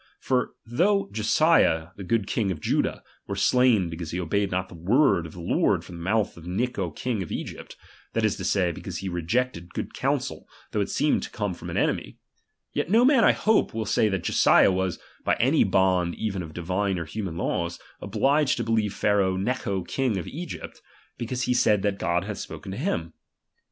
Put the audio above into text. For though Josiah, the good king of Judah, were slain because he obeyed not the word of the Lord firom the mouth of Necho king of Egypt ; that is to say, because he rejected good counsel though it seemed to come from an enemy ; yet no man I hope will say that Josiah was, by any bond either of divine or human laws, obliged to believe Pharaoh Neeho king of Egypt, because he said //mt God had spoken to him.